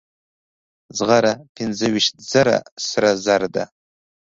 زغره پنځه ویشت زره سره زر ده.